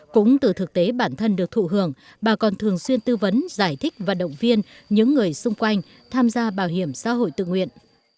cũng từ thực tế bản thân được thụ hưởng bà còn thường xuyên tư vấn giải thích và động viên những người xung quanh tham gia bảo hiểm xã hội tự nguyện